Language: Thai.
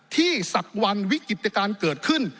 สักวันวิกฤตการณ์เกิดขึ้น